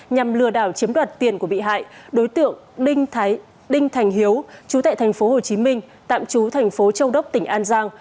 nhằm lừa đảo chiếm đoạt tiền của bị hại đối tượng đinh thành hiếu chú tại thành phố hồ chí minh tạm chú thành phố châu đốc tỉnh an giang